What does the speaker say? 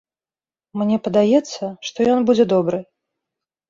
Мне падаецца, што ён будзе добры.